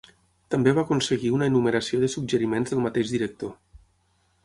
També va aconseguir una enumeració de suggeriments del mateix director.